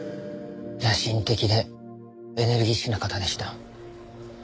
野心的でエネルギッシュな方でした。